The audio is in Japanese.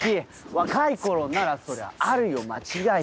若い頃ならそりゃあるよ間違い